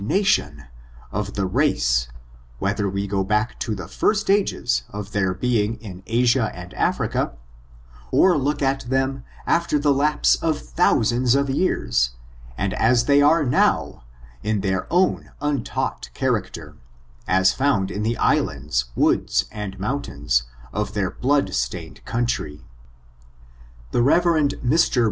nation, of the race, whether we go back to the first ages of their being in Asia and Africa, or look at them after the lapse of thousands of years, and as they are ftoir, in their own untaught character, as found in the islands, woods, and mountains, of their blood stain ed country. The Rev. Mr.